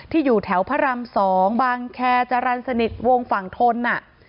ที่อยู่แถวพระรำสองบางแคจรันสนิทวงฝั่งทน